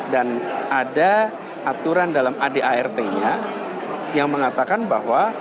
dan ada aturan dalam adart nya yang mengatakan bahwa